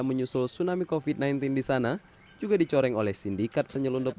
menyusul tsunami covid sembilan belas di sana juga dicoreng oleh sindikat penyelundup